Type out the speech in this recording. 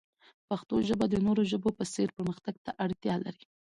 پښتو ژبه د نورو ژبو په څیر پرمختګ ته اړتیا لري.